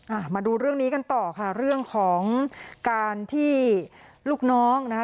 มาดูเรื่องนี้กันต่อค่ะเรื่องของการที่ลูกน้องนะคะ